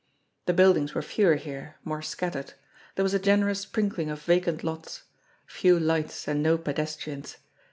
The buildings were fewer here, more scattered ; there was a generous sprinkling of vacant lots ; few lights, and no pedestrians.